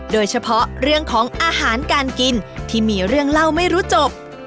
โดยเฉพาะเรื่องของอาหารการกินที่มีเรื่องเล่าไม่รู้จบ